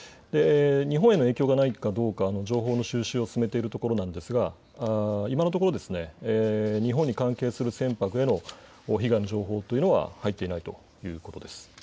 日本への影響がないかどうかの情報の収集を進めているところなんですが、今のところ日本に関係する船舶への被害の情報というのは入っていないということです。